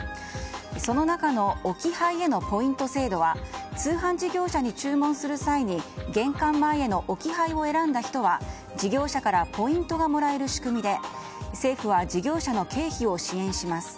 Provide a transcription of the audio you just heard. その中の置き配へのポイント制度は通販事業者に注文する際に玄関前への置き配を選んだ人は事業者からポイントが得られる仕組みで政府は事業者の経費を支援します。